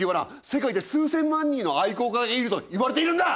世界で数千万人の愛好家がいるといわれているんだ！